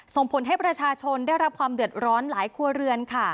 ส่งผลให้ประชาชนได้รับความเดือดร้อนหลายครัวเรือนค่ะ